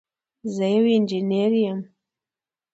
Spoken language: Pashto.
زه یو انجنير یم.